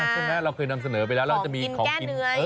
ใช่ไหมเราเคยนำเสนอไปแล้วแล้วเราจะมีของกิน